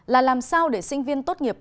là làm sao để sinh viên tốt nghiệp